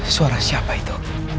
suara siapa itu